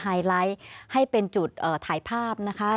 ไฮไลท์ให้เป็นจุดถ่ายภาพนะคะ